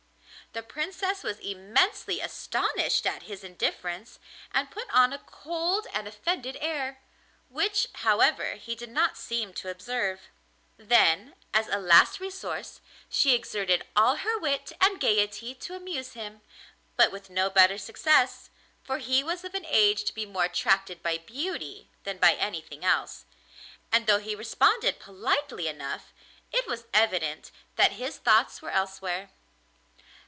The Princess was immensely astonished at his indifference, and put on a cold and offended air, which, however, he did not seem to observe. Then as a last resource she exerted all her wit and gaiety to amuse him, but with no better success, for he was of an age to be more attracted by beauty than by anything else, and though he responded politely enough, it was evident that his thoughts were elsewhere.